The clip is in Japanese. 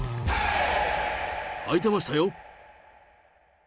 はいてましたよ。